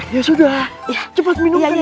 ya sudah cepat minumkan ya